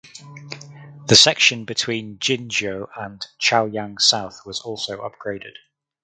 The section between Jinzhou and Chaoyang South was also upgraded.